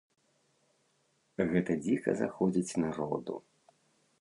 Гэта дзіка заходзіць народу.